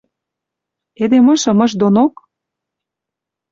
Эдем ышым ыш донок?